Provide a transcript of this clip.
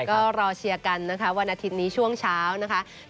ก็รอเชียร์กันนะคะวันอาทิตย์นี้ช่วงเช้านะคะ